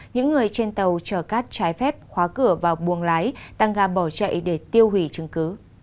những người trên tàu chờ cát trái phép khóa cửa và buông lái tăng ga bỏ chạy để tiêu hủy chứng cứ